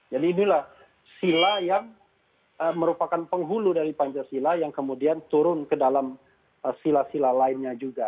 jadi inilah sila yang merupakan penghulu dari pancasila yang kemudian turun ke dalam sila sila lainnya juga